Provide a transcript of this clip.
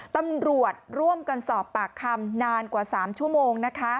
ตำรวจร่วมกันสอบปากคำนานกว่า๓ชั่วโมงนะคะ